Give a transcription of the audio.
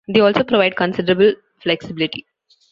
They also provide considerable flexibility.